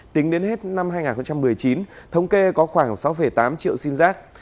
tính đến hết năm hai nghìn một mươi chín thống kê có khoảng sáu tám triệu sim giác